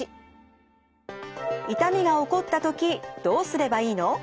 痛みが起こった時どうすればいいの？